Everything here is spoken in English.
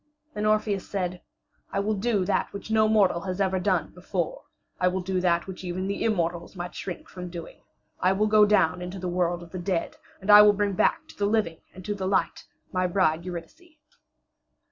Then Orpheus said: "I will do that which no mortal has ever done before; I will do that which even the immortals might shrink from doing: I will go down into the world of the dead, and I will bring back to the living and to the light my bride Eurydice."